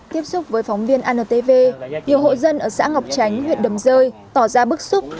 tiếp xúc với phóng viên antv nhiều hộ dân ở xã ngọc tránh huyện đầm rơi tỏ ra bức xúc